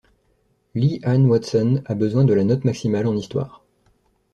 Leigh Ann Watson a besoin de la note maximale en histoire.